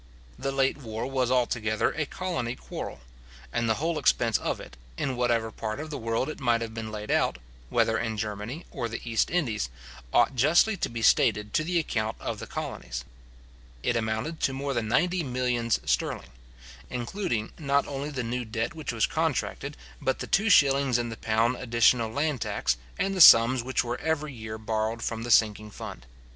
The late war was altogether a colony quarrel; and the whole expense of it, in whatever part of the world it might have been laid out, whether in Germany or the East Indies, ought justly to be stated to the account of the colonies. It amounted to more than ninety millions sterling, including not only the new debt which was contracted, but the two shillings in the pound additional land tax, and the sums which were every year borrowed from the sinking fund.